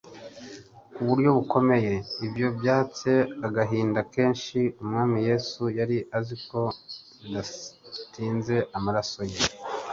ku buryo bukomeye. Ibyo byatcye agahinda kenshi umwami Yesu yari azi ko bidatinze amaraso ye